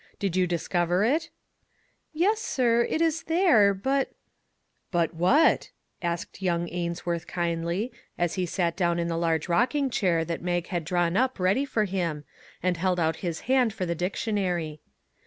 Did you discover it ?"" Yes, sir, it is there ; but "" But what ?" asked young Ainsworth kindly, as he sat down in the large rocking chair that Mag had drawn up ready for him, and held out his hand for the dictionary.